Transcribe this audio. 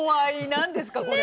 何ですかこれ。